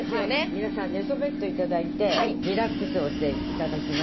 皆さん、寝そべっていただいてリラックスしていただきます。